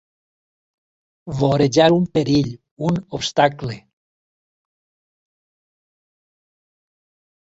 Vorejar un perill, un obstacle.